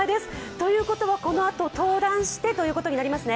ということは、このあと登壇してということになりますね。